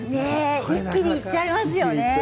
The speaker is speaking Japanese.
一気にいっちゃいますよね。